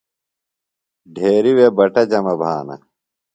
ڈھیریۡ وے بٹہ جمہ بھانہ۔